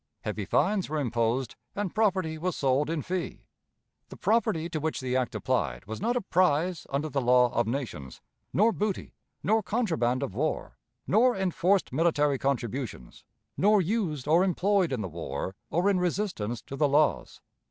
Heavy fines were imposed, and property was sold in fee. The property to which the act applied was not a prize under the law of nations, nor booty, nor contraband of war, nor enforced military contributions, nor used or employed in the war or in resistance to the laws.